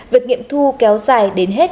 việc nghiệm thu kéo dài đến hết